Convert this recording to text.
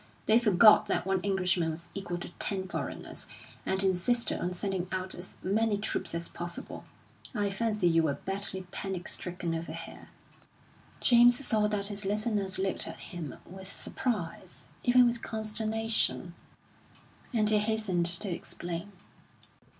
They forgot that one Englishman was equal to ten foreigners, and insisted on sending out as many troops as possible. I fancy you were badly panic stricken over here." James saw that his listeners looked at him with surprise, even with consternation; and he hastened to explain.